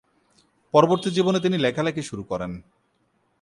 পরবর্তী জীবনে তিনি লেখালেখি শুরু করেন।